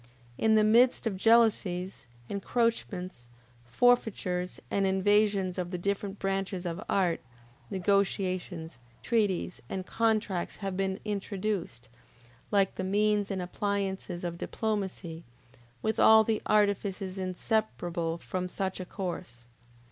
In the midst of jealousies, encroachments, forfeitures, and invasions of the different branches of art, negotiations, treaties, and contracts have been introduced, like the means and appliances of diplomacy, with all the artifices inseparable from such a course.